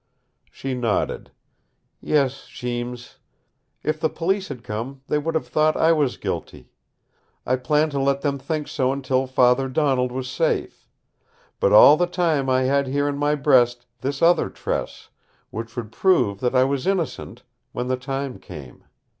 She nodded. "Yes, Jeems. If the police had come, they would have thought I was guilty. I planned to let them think so until father Donald was safe. But all the time I had here in my breast this other tress, which would prove that I was innocent when the time came.